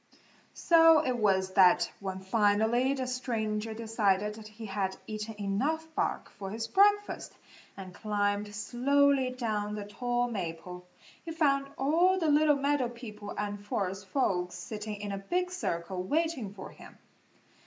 So it was that when finally the stranger decided that he had eaten enough bark for his breakfast, and climbed slowly down the tall maple, he found all the little meadow people and forest folks sitting in a big circle waiting for him.